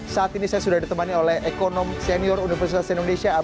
saat ini saya sudah ditemani oleh ekonom senior universitas indonesia